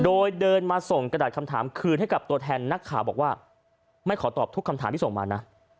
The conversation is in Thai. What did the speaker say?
โดยเดินมาส่งกระดาษคำถามคืนให้กับตัวแทนนักข่าวบอกว่าไม่ขอตอบทุกคำถามที่ส่งมานะ